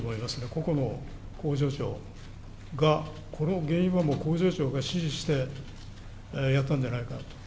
個々の工場長がこの原因はもう工場長が指示してやったんじゃないかと。